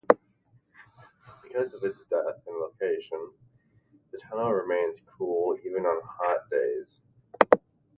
Because of its depth and location, the tunnel remains cool even on hot days.